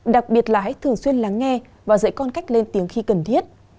đặc biệt là hãy thường xuyên lắng nghe và dạy con cách lên tiếng khi cần thiết